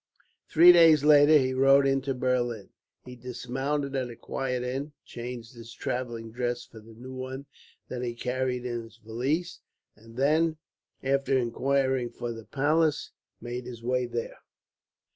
Three days later he rode into Berlin. He dismounted at a quiet inn, changed his travelling dress for the new one that he carried in his valise, and then, after inquiring for the palace, made his way there.